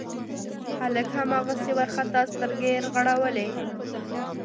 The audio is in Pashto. هلک هماغسې وارخطا سترګې رغړولې.